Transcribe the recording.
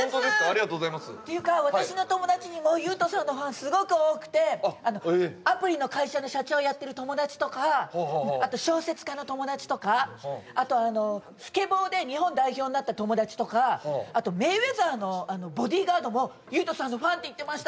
ありがとうございますていうか私の友達にもユウトさんのファンすごく多くてアプリの会社の社長やってる友達とかあと小説家の友達とかあとあのスケボーで日本代表になった友達とかあとメイウェザーのボディーガードもユウトさんのファンって言ってました